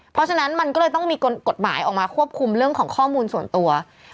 เพราะฉะนั้นมันก็เลยต้องมีกฎหมายออกมาควบคุมเรื่องของข้อมูลส่วนตัว